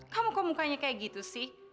kamu kok mukanya kayak gitu sih